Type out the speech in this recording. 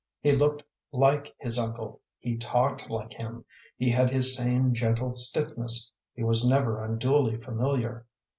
He looked like his uncle, he talked like him, he had his same gentle stiffness, he was never unduly familiar.